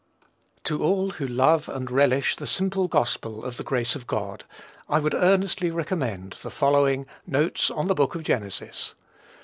To all who love and relish the simple gospel of the grace of God, I would earnestly recommend the following "Notes on the Book of Genesis."